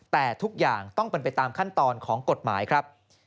แต่ทุกอย่างต้องเป็นไปตามขั้นตอนของกฎหมายครับ